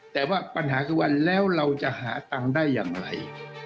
แต่ว่าปัญหาคือว่าแล้วเราจะหาตังค์ได้อย่างไร